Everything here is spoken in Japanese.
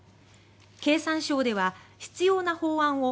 経産省では、必要な法案を